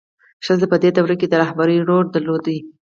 ښځه په دې دوره کې د رهبرۍ رول درلود.